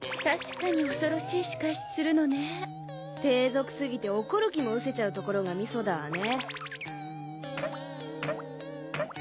確かに恐ろしい仕返しするのねぇ低俗すぎて怒る気も失せちゃうところがミソだわね